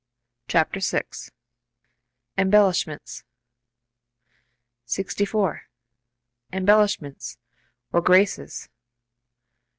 CHAPTER VI EMBELLISHMENTS 64. _Embellishments (or graces) (Fr.